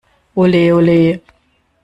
Olé, olé!